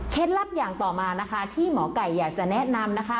ลับอย่างต่อมานะคะที่หมอไก่อยากจะแนะนำนะคะ